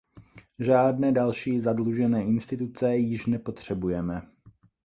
Žádné další zadlužené instituce již nepotřebujeme.